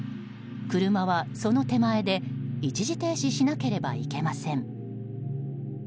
車は、その手前で一時停止しなければいけません。